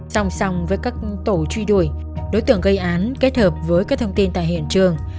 song song với các tổ truy đuổi đối tượng gây án kết hợp với các thông tin tại hiện trường